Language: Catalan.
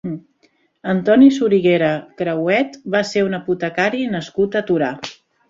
Antoni Soriguera Crehuet va ser un apotecari nascut a Torà.